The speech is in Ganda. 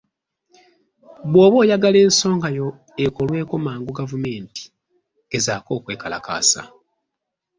Bw'oba oyagala ensongayo ekolweko mangu gavumenti, gezaako okwekalakaasa.